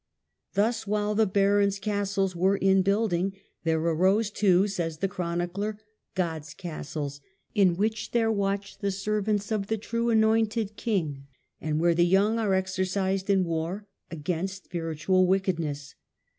Thus, while the barons' castles were in building, there arose, too, says the chroni cler, " God's castles, in which there watch the servants of the true anointed King, and where the young are exercised in war against spiritual wickedness